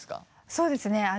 そうですね